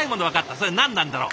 それ何なんだろう。